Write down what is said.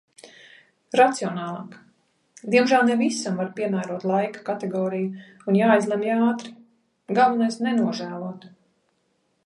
Racionālāk. Diemžēl ne visam var piemērot laika kategoriju un jāizlemj ātri. Galvenais nenožēlot.